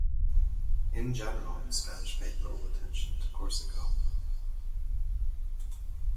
In general the Spanish paid little attention to Corisco.